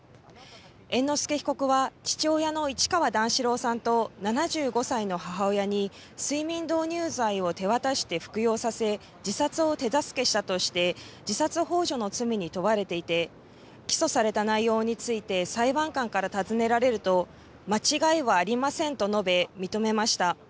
猿之助被告は父親の市川段四郎さんと７５歳の母親に睡眠導入剤を手渡して服用させ自殺を手助けしたとして自殺ほう助の罪に問われていて起訴された内容について裁判官から尋ねられると間違いはありませんと述べ認めました。